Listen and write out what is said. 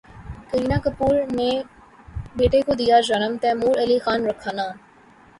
کرینہ کپور نے بیٹے کو دیا جنم، تیمور علی خان رکھا نام